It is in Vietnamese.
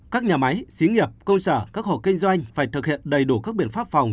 các nhà máy xí nghiệp cơ sở các hộ kinh doanh phải thực hiện đầy đủ các biện pháp phòng